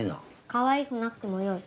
かわいくなくてもよい。